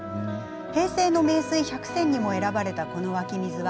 平成の名水百選にも選ばれたこの湧き水は